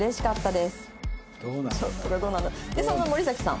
でそんな森咲さん。